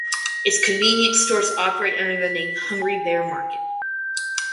Its convenience stores operate under the name Hungry Bear Market.